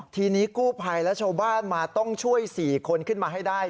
ทีนี้กู้ภัยและชาวบ้านมาต้องช่วย๔คนขึ้นมาให้ได้